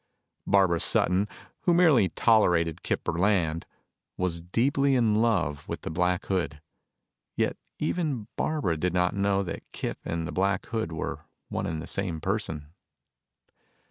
Barbara Sutton, who merely tolerated Kip Burland, was deeply in love with the Black Hood, yet even Barbara did not know that Kip and the Black Hood were one and the same person.